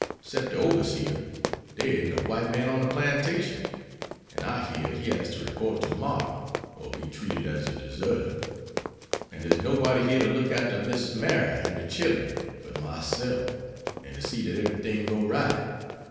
'Cept de overseer, dere isn't a white man on de plantation, an' I hear he has to report ter morrer or be treated as a deserter. An' der's nobody here to look arter Miss Mary an' de chillen, but myself, an' to see dat eberything goes right.